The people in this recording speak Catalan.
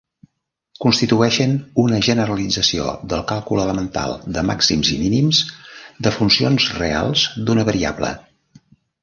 Constitueixen una generalització del càlcul elemental de màxims i mínims de funcions reals d'una variable.